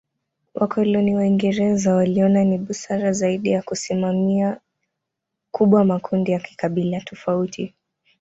Wakoloni Waingereza waliona ni busara zaidi ya kusimamia kubwa makundi ya kikabila tofauti.